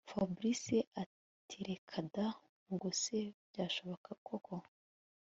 Fabric atireka da ubwose byashoboka koko